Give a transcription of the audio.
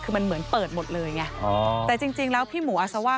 คือมันเหมือนเปิดหมดเลยไงแต่จริงแล้วพี่หมูอาซาว่า